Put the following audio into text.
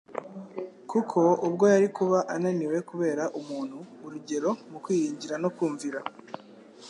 kuko ubwo yari kuba ananiwe kubera umuntu urugero mu kwiringira no kumvira